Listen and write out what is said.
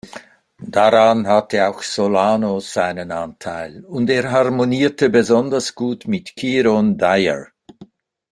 Daran hatte auch Solano seinen Anteil und er harmonierte besonders gut mit Kieron Dyer.